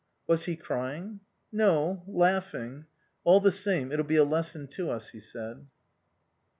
"Was he crying?" "No. Laughing.... All the same, it'll be a lesson to us," he said.